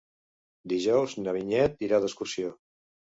Dijous na Vinyet irà d'excursió.